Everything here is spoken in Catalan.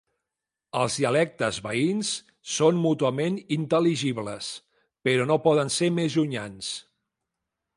Els dialectes veïns són mútuament intel·ligibles, però no poden ser més llunyans.